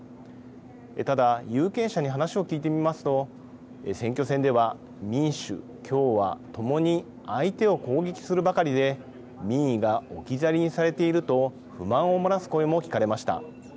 ただ有権者に話を聞いてみますと選挙戦では民主・共和ともに相手を攻撃するばかりで民意が置き去りにされていると不満を漏らす声も聞かれました。